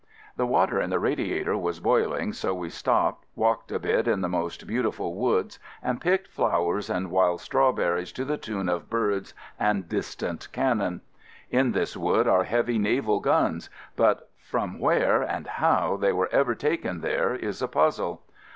The water in the radiator was boiling, so we stopped, walked a bit in the most beauti ful woods, and picked flowers and wild strawberries to the tune of birds and dis tant cannon. In this wood are heavy naval guns, but from where and how they were ever taken there is a puzzle.